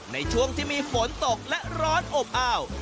ในช่วงที่มีฝนตกและร้อนอบอ้าว